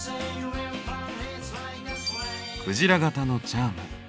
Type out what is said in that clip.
クジラ型のチャーム。